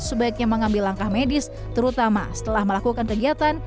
sebaiknya mengambil langkah medis terutama setelah melakukan kegiatan